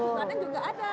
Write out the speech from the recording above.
di klaten juga ada